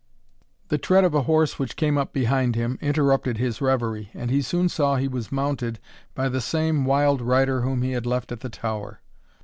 The tread of a horse which came up behind him, interrupted his reverie, and he soon saw he was mounted by the same wild rider whom he had left at the tower.